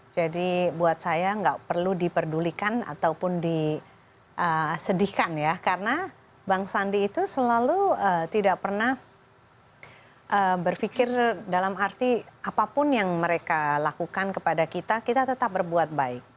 jadi buat saya enggak perlu diperdulikan ataupun disedihkan ya karena bang sandi itu selalu tidak pernah berpikir dalam arti apapun yang mereka lakukan kepada kita kita tetap berbuat baik